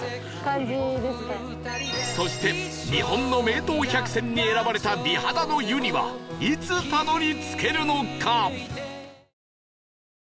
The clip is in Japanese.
そして日本の名湯百選に選ばれた美肌の湯にはいつたどり着けるのか？